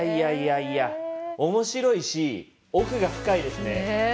いやいや、おもしろいし奥が深いですね。